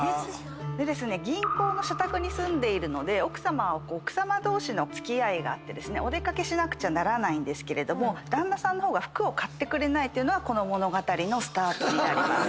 銀行の社宅に住んでるので奥さまは奥さま同士の付き合いがあってですねお出掛けしなくちゃならないんですけど旦那さんが服を買ってくれないというのがこの物語のスタートになります。